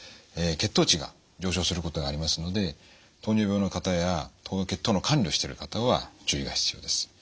血糖値が上昇することがありますので糖尿病の方や血糖の管理をしている方は注意が必要です。